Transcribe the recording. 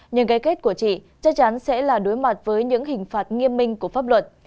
nhưng gây kết của chị chắc chắn sẽ là đối mặt với những hình phạt nghiêm minh của pháp luật